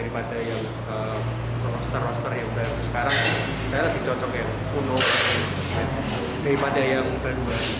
daripada yang roster roster yang sekarang saya lebih cocok yang kuno daripada yang berdua